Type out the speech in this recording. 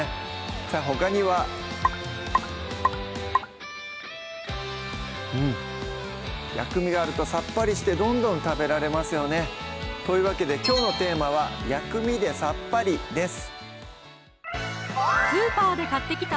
さぁほかにはうん薬味があるとさっぱりしてどんどん食べられますよねというわけできょうのテーマは「薬味でさっぱり」です